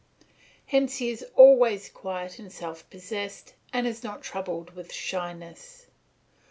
Hence he is always quiet and self possessed and is not troubled with shyness.